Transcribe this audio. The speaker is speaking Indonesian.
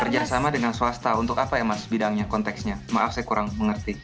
kerjasama dengan swasta untuk apa ya mas bidangnya konteksnya maaf saya kurang mengerti